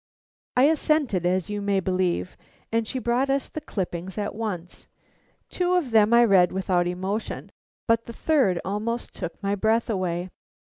I assented, as you may believe, and she brought us the clippings at once. Two of them I read without emotion, but the third almost took my breath away.